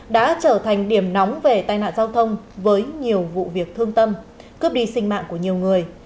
đã trở thành điểm nóng về tai nạn giao thông với nhiều vụ việc thương tâm cướp đi sinh mạng của nhiều người